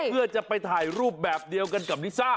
เพื่อจะไปถ่ายรูปแบบเดียวกันกับลิซ่า